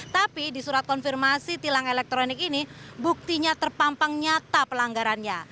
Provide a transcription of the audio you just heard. tapi di surat konfirmasi tilang elektronik ini buktinya terpampang nyata pelanggarannya